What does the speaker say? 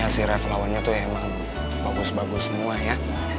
ya si ref lawannya tuh emang bagus bagus semua ya